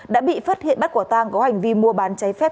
đã bị phát hiện bắt quả tang có hành vi mua bán cháy phép